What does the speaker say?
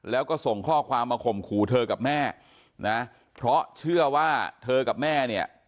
แล้วก็ส่งข้อความมาข่มขู่เธอกับแม่นะเพราะเชื่อว่าเธอกับแม่เนี่ย